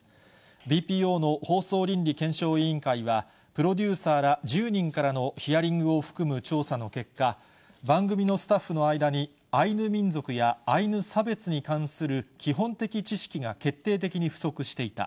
ＢＰＯの放送倫理検証委員会は、プロデューサーら１０人からのヒアリングを含む調査の結果、番組のスタッフの間に、アイヌ民族やアイヌ差別に関する基本的知識が決定的に不足していた。